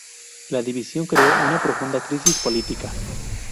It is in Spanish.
La división creó una profunda crisis política.